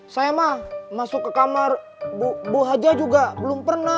saya mah masuk ke kamar bu haja juga belum pernah